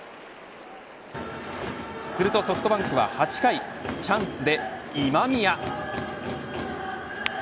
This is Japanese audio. するとソフトバンクは、８回チャンスで今宮。